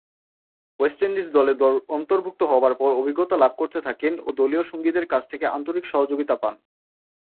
West Indies দলে অন্তর্ভুক্ত হবার পর অভিজ্ঞতা লাভ করতে থাকেন ও দলীয় সঙ্গীদের কাছ থেকে আন্তরিক সহযোগিতা পান।